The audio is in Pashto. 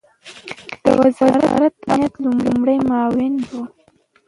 چې د وزارت امنیت لومړی معاون ؤ